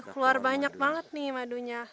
keluar banyak banget nih madunya